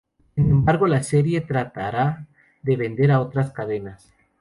Sin embargo, la serie se tratará de vender a otras cadenas.